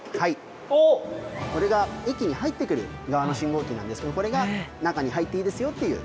これは駅に入ってくる側の信号機なんですけどもこれが中に入っていいですよっていう。